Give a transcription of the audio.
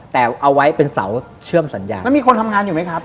แต่เอาไว้เป็นเสาเชื่อมสัญญาณแล้วมีคนทำงานอยู่ไหมครับ